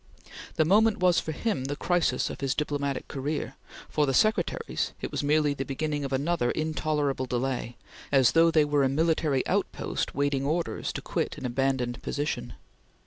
The moment was for him the crisis of his diplomatic career; for the secretaries it was merely the beginning of another intolerable delay, as though they were a military outpost waiting orders to quit an abandoned position.